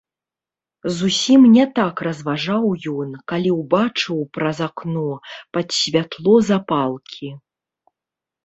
Зусім не так разважаў ён, калі ўбачыў праз акно, пад святло запалкі.